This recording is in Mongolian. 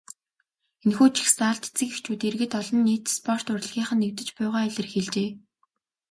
Энэхүү жагсаалд эцэг эхчүүд, иргэд олон нийт, спорт, урлагийнхан нэгдэж буйгаа илэрхийлжээ.